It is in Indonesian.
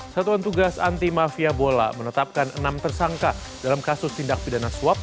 satuan tugas anti mafia bola menetapkan enam tersangka dalam kasus tindak pidana suap